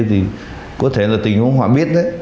thì có thể là tình huống họ biết đấy